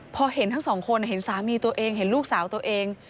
พอเห็นทั้งสองคนเห็นสามีตัวเองเห็นลูกสาวตัวเอง